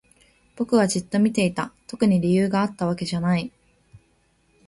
僕はじっと見ていた。特に理由があったわけじゃない。